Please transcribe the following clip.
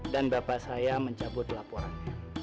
dan bapak saya mencabut laporannya